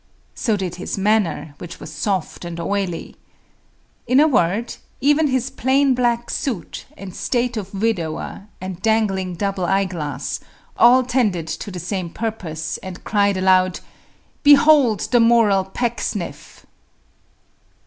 So did his manner, which was soft and oily. In a word, even his plain black suit, and state of widower, and dangling double eye glass, all tended to the same purpose, and cried aloud, "Behold the moral Pecksniff!"